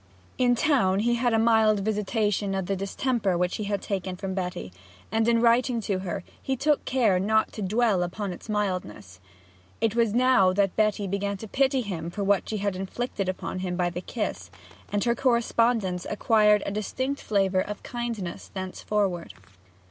In town he had a mild visitation of the distemper he had taken from Betty, and in writing to her he took care not to dwell upon its mildness. It was now that Betty began to pity him for what she had inflicted upon him by the kiss, and her correspondence acquired a distinct flavour of kindness thenceforward.